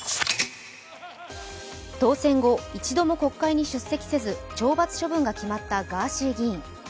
当選後、一度も国会に出席せず、懲罰処分が決まったガーシー議員。